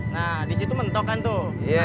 nah disitu mentok kan tuh